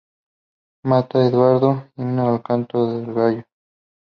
Mata, Eduardo, “Himno al canto de gallo.